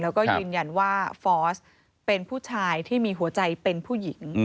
แล้วก็ยืนยันว่าฟอร์สเป็นผู้ชายที่มีหัวใจเป็นผู้หญิง